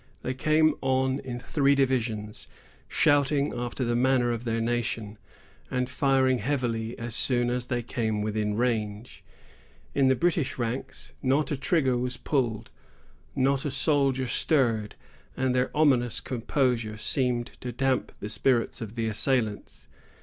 They came on in three divisions, shouting after the manner of their nation, and firing heavily as soon as they came within range. In the British ranks, not a trigger was pulled, not a soldier stirred; and their ominous composure seemed to damp the spirits of the assailants.